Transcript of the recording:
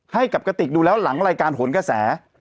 ให้กับกระติกดูแล้วหลังรายการโหนกระแส